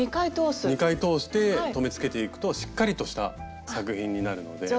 ２回通して留めつけていくとしっかりとした作品になるので。